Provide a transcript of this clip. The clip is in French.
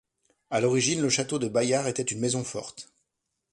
À l'origine, le château de Bayard était une maison forte.